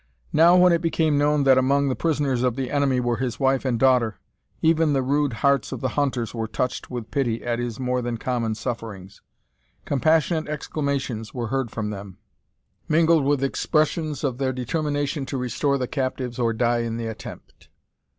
Now, when it became known that among the prisoners of the enemy were his wife and daughter, even the rude hearts of the hunters were touched with pity at his more than common sufferings. Compassionate exclamations were heard from them, mingled with expressions of their determination to restore the captives or die in the attempt.